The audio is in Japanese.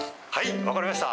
分かりました。